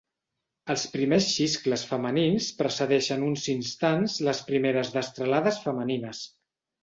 Els primers xiscles femenins precedeixen uns instants les primeres destralades femenines.